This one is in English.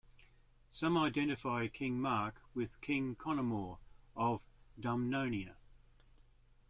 Some identify King Mark with King Conomor of Dumnonia.